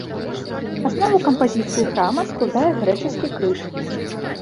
Аснову кампазіцыі храма складае грэчаскі крыж.